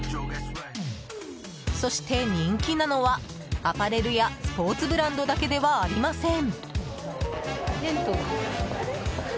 そして人気なのはアパレルやスポーツブランドだけではありません。